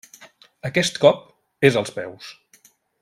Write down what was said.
Aquest cop és als peus.